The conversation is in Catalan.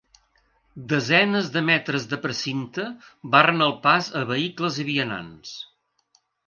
Desenes de metres de precinte barren el pas a vehicles i vianants.